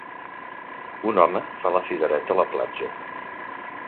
Un home fa la figuereta a la platja.